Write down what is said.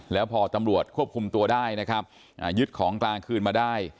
แล้วพอตำรวจควบคุมตัวได้นะครับยึดของกลางคืนมาได้